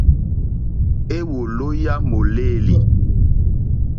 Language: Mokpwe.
Éwòló yá mòlêlì.